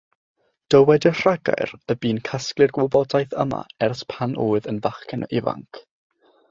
Dywed y rhagair y bu'n casglu'r wybodaeth yma ers pan oedd yn fachgen ifanc.